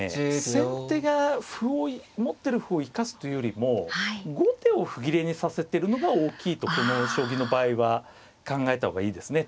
先手が歩を持ってる歩を生かすというよりも後手を歩切れにさせてるのが大きいとこの将棋の場合は考えた方がいいですね